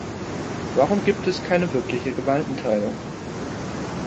Warum gibt es keine wirkliche Gewaltenteilung?